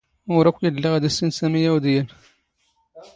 ⵓⵔ ⴰⴽⴽⵯ ⵢⴰⴷⵍⵍⵉ ⵖⵉⴷ ⵉⵙⵙⵉⵏ ⵙⴰⵎⵉ ⴰⵡⴷ ⵢⴰⵏ.